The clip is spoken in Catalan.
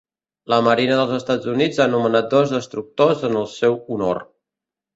La Marina dels Estats Units ha nomenat dos destructors en el seu honor.